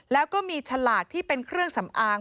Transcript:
แล้วก็มีฉลากที่เป็นเครื่องสำอาง